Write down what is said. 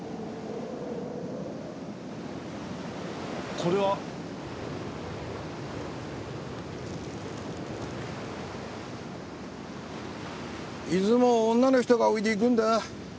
これは？いつも女の人が置いていくんだ。